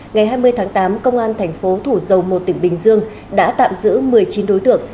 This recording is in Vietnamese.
ngày hai mươi tháng tám công an thành phố thủ dầu một tỉnh bình dương đã tạm giữ một mươi chín đối tượng